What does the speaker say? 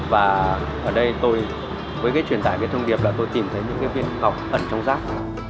và ở đây tôi với cái truyền tải thông điệp là tôi tìm thấy những viên ngọc ẩn trong rác